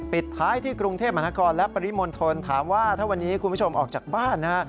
ปิดท้ายที่กรุงเทพมหานครและปริมณฑลถามว่าถ้าวันนี้คุณผู้ชมออกจากบ้านนะฮะ